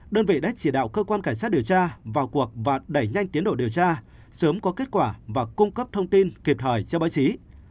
đơn vị đã chỉ đạo cơ quan cảnh sát điều tra vào cuộc và đẩy nhanh tiến độ điều tra sớm có kết quả và cung cấp thông tin kịp thời cho báo chí